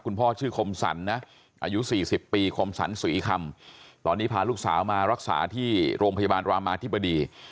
พ่อชื่อคมสรรนะอายุ๔๐ปีคมสรรศรีคำตอนนี้พาลูกสาวมารักษาที่โรงพยาบาลรามาธิบดี